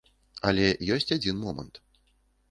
Але ёсць адзін момант.